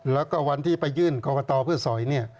แล้วก็วันที่ไปยื่นกตเพื่อสอย